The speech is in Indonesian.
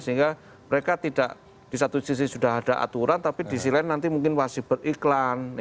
sehingga mereka tidak di satu sisi sudah ada aturan tapi di sisi lain nanti mungkin wajib beriklan